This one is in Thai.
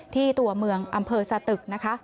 ที่ตัวเมืองอำเภอสตร์ตึก